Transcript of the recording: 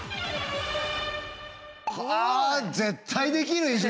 あ絶対できる！